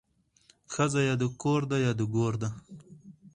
ښځه يا د کور ده يا د ګور ده